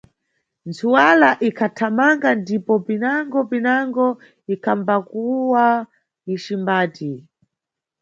Ntswala ikhathamanga ndipo, pinango-pinango ikhambakuwa icimbati.